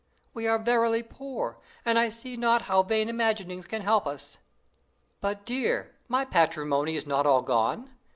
We are verily poor, and I see not how vain imaginings can help us." "But, dear, my patrimony is not all gone.